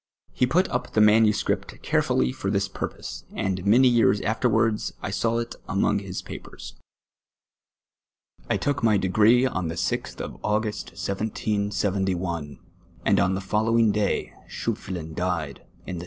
He p\it up the manuscript carefidly for this pui jiose, and many years afterwards I saw it among his papers. I took my degree on the ()th August, 1771 ; and on the follo\N'ing day Seh(»j)tlin died, in the 7.)